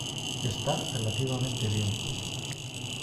Está relativamente bien.